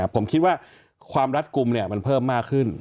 ผมคิดว่าความรัดกลุ่มมันเพิ่มมากขึ้น